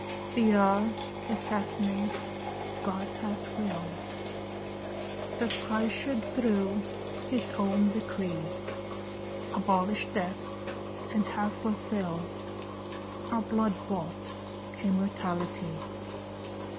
The hour is hastening. God has willed That Christ should through his own decree Abolish death and have fulfilled Our blood bought immortality.